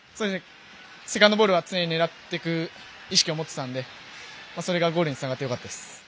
セカンドボールは常に狙っていく意識を持っていたのでそれがゴールにつながってよかったです。